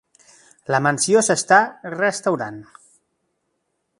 La mansió s'està restaurant.